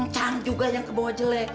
kencang juga yang ke bawah jelek